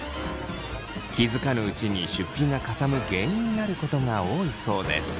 気付かぬうちに出費がかさむ原因になることが多いそうです。